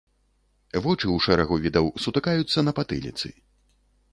Вочы ў шэрагу відаў сутыкаюцца на патыліцы.